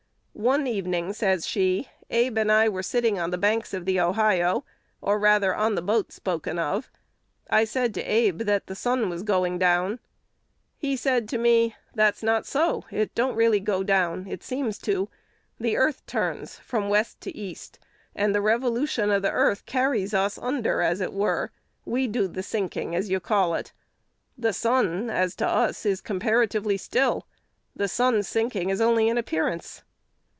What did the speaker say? "One evening," says she, "Abe and I were sitting on the banks of the Ohio, or rather on the boat spoken of: I said to Abe that the sun was going down. He said to me, 'That's not so: it don't really go down; it seems so. The earth turns from west to east, and the revolution of the earth carries us under as it were: we do the sinking as you call it. The sun, as to us, is comparatively still; the sun's sinking is only an appearance.'